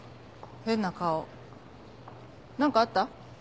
変な顔何かあった？